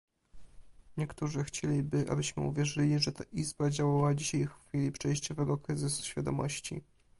Niektórzy chcieliby, abyśmy uwierzyli, że ta Izba działała dzisiaj w chwili przejściowego kryzysu świadomości